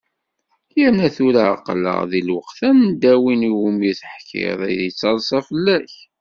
Yerna tura aql-aɣ deg lweqt anda win i wumi teḥkiḍ ad yettaḍsa fell-k.